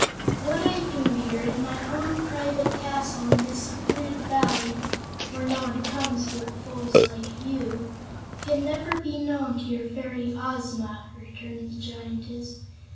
"What I do here, in my own private castle in this secluded Valley where no one comes but fools like you can never be known to your fairy Ozma," returned the Giantess.